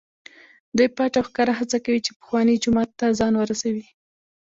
دوی پټ او ښکاره هڅه کوي چې پخواني جومات ته ځان ورسوي.